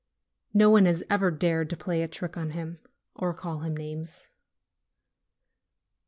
No one has ever dared to play a trick on him or call him names.